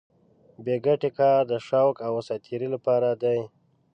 بې ګټې کار د شوق او ساتېرۍ لپاره دی.